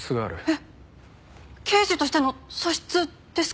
えっ刑事としての素質ですか？